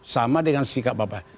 sama dengan sikap bapak